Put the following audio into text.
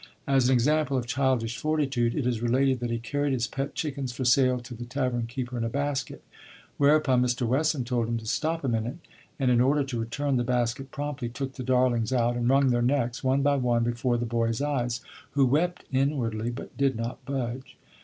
'" As an example of childish fortitude, it is related that he carried his pet chickens for sale to the tavern keeper in a basket; whereupon Mr. Wesson told him to 'stop a minute,' and, in order to return the basket promptly, took the darlings out, and wrung their necks, one by one, before the boy's eyes, who wept inwardly, but did not budge.